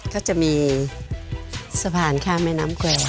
ก็จะมีสะพานข้ามแม่น้ำแควร์